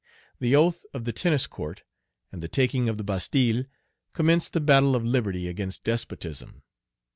The oath of the Tennis Court and the taking of the Bastille commenced the battle of liberty against despotism.